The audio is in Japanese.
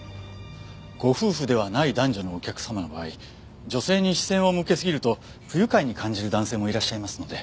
ご夫婦ではない男女のお客様の場合女性に視線を向けすぎると不愉快に感じる男性もいらっしゃいますので。